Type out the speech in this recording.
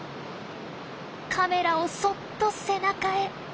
カメラをそっと背中へ。